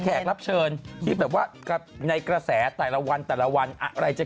แขกรับเชิญที่แบบว่าในกระแสแต่ละวันแต่ละวันอะไรจะ